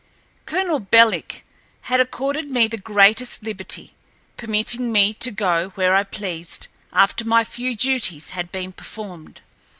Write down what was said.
Colonel Belik had accorded me the greatest liberty, permitting me to go where I pleased, after my few duties had been performed.